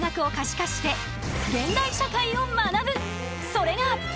それが。